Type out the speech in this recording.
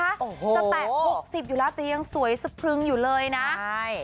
สตะหกสิบอยู่แล้วแต่ยังสวยสะพึงอยู่เลยนะใช่